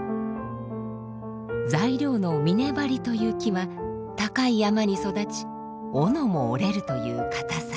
材料のミネバリという木は高い山に育ち斧も折れるという堅さ。